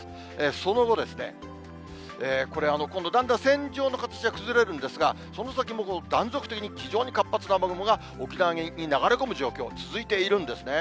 その後、これ、今度だんだん線状の形が崩れるんですが、その先も断続的に非常に活発な雨雲が沖縄に流れ込む状況、続いているんですね。